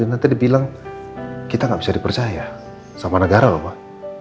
nanti dibilang kita nggak bisa dipercaya sama negara pak